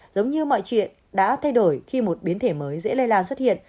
giống như mọi chuyện đã thay đổi khi một biến thể mới dễ lây lan xuất hiện